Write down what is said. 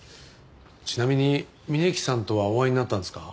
ちなみに峯木さんとはお会いになったんですか？